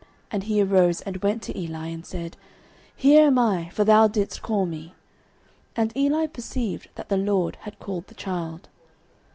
And he arose and went to Eli, and said, Here am I; for thou didst call me. And Eli perceived that the LORD had called the child.